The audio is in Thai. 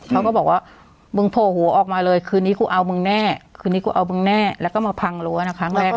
เขาก็บอกว่ามึงโผล่หัวออกมาเลยคืนนี้กูเอามึงแน่คืนนี้กูเอามึงแน่แล้วก็มาพังรั้วนะครั้งแรก